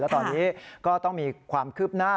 และตอนนี้ก็ต้องมีความคืบหน้า